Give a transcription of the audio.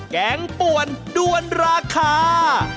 แกงป่วนด้วนราคา